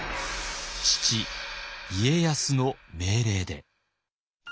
父家康の命令で。